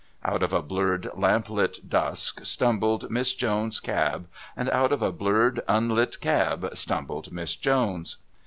Out of a blurred lamp lit dusk stumbled Miss Jones's cab, and out of a blurred unlit cab stumbled Miss Jones.